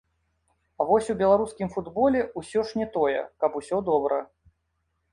А вось у беларускім футболе ўсё ж не тое, каб усё добра.